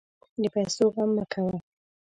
د پیسو غم مه کوه.